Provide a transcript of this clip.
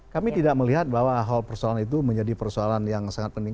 kami tidak melihat bahwa hal persoalan itu menjadi persoalan yang sangat penting